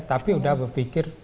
tapi udah berpikir